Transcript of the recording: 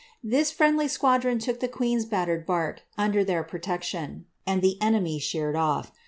This friendly squadron took the queen's battered bark under their protection, and the enemy sheered off.